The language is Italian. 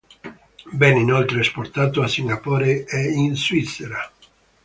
Venne inoltre Esportato a Singapore e in Svizzera.